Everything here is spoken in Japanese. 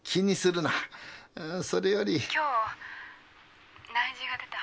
今日内示が出た。